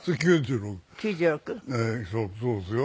ええそうですよ。